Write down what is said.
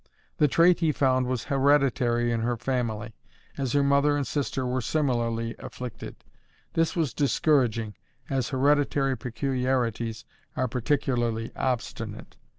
The trait, he found, was hereditary in her family, as her mother and sister were similarly afflicted. This was discouraging, as hereditary peculiarities are particularly obstinate.